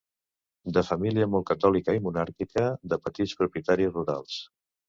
De família molt catòlica i monàrquica, de petits propietaris rurals.